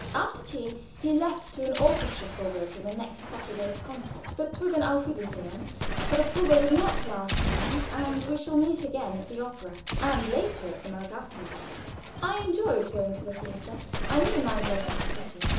After tea he left for an orchestra probe to the next Saturday's concert; but with an auf wiedersehen, for the probe will not last long, and we shall meet again at the opera and later at the Malkasten Ball. I enjoyed going to the theater. I knew my dress was pretty.